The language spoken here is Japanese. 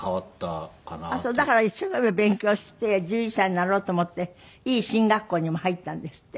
だから一生懸命勉強して獣医さんになろうと思っていい進学校にも入ったんですって？